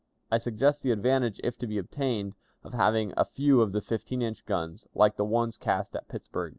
I suggest the advantage, if to be obtained, of having a few of the fifteen inch guns, like the one cast at Pittsburg.